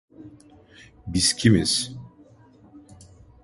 Biz kimiz?